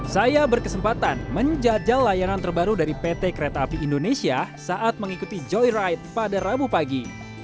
saya berkesempatan menjajal layanan terbaru dari pt kereta api indonesia saat mengikuti joy ride pada rabu pagi